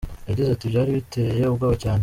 Yagize ati “Byari biteye ubwoba cyane.